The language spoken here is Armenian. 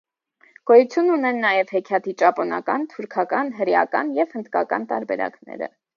Գոյություն ունեն նաև հեքիաթի ճապոնական, թուրքական, հրեական և հնդկական տարբերակներ։